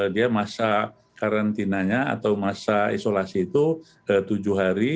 dia masa karantinanya atau masa isolasi itu tujuh hari